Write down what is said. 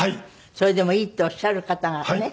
それでもいいっておっしゃる方がね。